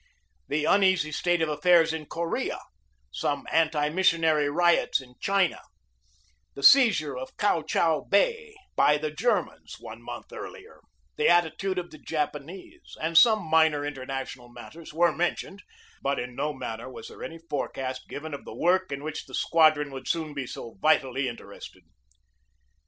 The uneasy state of affairs in Korea, some anti missionary riots in China, the seizure of Kiau Chau Bay by the Ger COMMAND OF ASIATIC SQUADRON 175 mans one month earlier, the attitude of the Japan ese, and some minor international matters were men tioned; but in no manner was there any forecast given of the work in which the squadron would soon be so vitally interested.